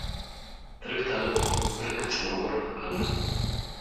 ትርግታ ልቡ ብርግጽ ንቡር ኣሎ።